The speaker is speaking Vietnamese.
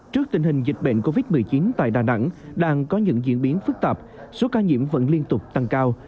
trước tình hình dịch bệnh covid một mươi chín tại đà nẵng đang có những diễn biến phức tạp số ca nhiễm vẫn liên tục tăng cao